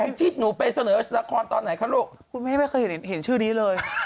จริงหนูไปเสนอละครตอนไหนคะลูกคุณแม่ไม่เคยเห็นชื่อนี้เลย